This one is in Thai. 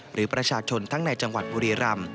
หรือประชาชนทั้งในจังหวัดบุรีรำ